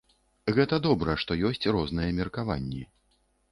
Гэта добра, што ёсць розныя меркаванні.